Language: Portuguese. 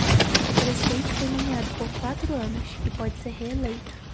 O presidente foi nomeado por quatro anos e pode ser reeleito.